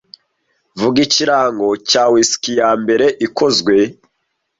Vuga ikirango cya whisky yambere ikozwe